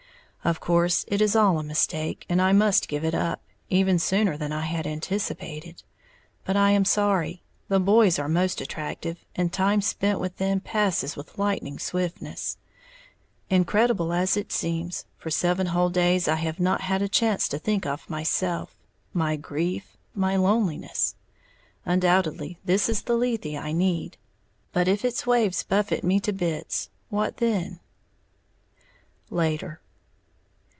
Of course it is all a mistake, and I must give it up, even sooner than I had anticipated. But I am sorry, the boys are most attractive, and time spent with them passes with lightning swiftness, incredible as it seems, for seven whole days I have not had a chance to think of myself, my grief, my loneliness. Undoubtedly this is the Lethe I need, but if its waves buffet me to bits, what then? _Later.